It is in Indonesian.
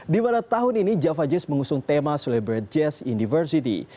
di mana tahun ini java jazz mengusung tema celebrate jazz university